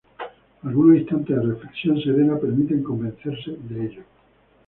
Algunos instantes de reflexión serena permiten convencerse de ello.